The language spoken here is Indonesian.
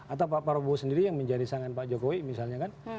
atau pak prabowo sendiri yang menjadi sangan pak jokowi misalnya kan